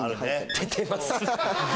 出てます。